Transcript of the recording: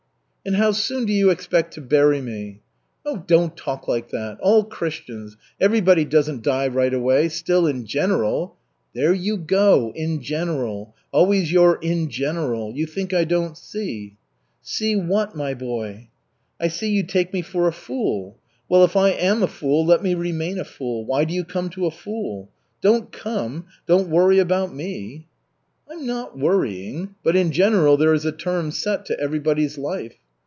"And how soon do you expect to bury me?" "Oh, don't talk like that. All Christians Everybody doesn't die right away, still in general " "There you go 'in general!' Always your 'in general!' You think I don't see." "See what, my boy?" "I see you take me for a fool. Well, if I am a fool, let me remain a fool. Why do you come to a fool? Don't come, don't worry about me." "I'm not worrying. But in general there is a term set to everybody's life."